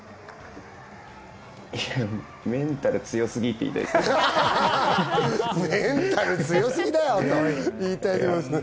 メンタル強すぎって言いたいですね。